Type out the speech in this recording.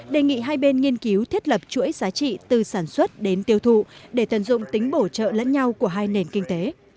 đề nghị hai bên nghiên cứu thiết lập chuỗi giá trị từ sản xuất đến tiêu thụ để tận dụng tính bổ trợ lẫn nhau của hai nền kinh tế